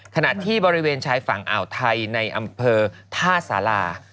ขณะที่บริเวณชายฝั่งอ่าวไทยในอำเภอท่าสารา